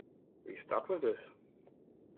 We start with this.